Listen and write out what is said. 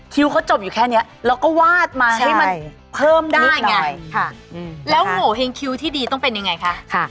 เขาจบอยู่แค่นี้แล้วก็วาดมาให้มันเพิ่มได้ไงแล้วโง่เฮงคิวที่ดีต้องเป็นยังไงคะ